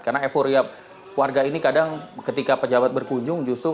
karena euforia warga ini kadang ketika pejabat berkunjung justru